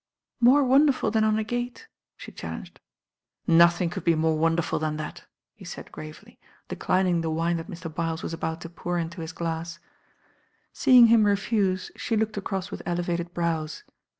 len d '^°"*^"^"^^^'^°"* «e?" she chal "Nothing could be more wonderful than that," he said gravely, declining the wine that Mr. Bylis was about to pour into his glass. Seeing him refuse she looked across with elevated brows.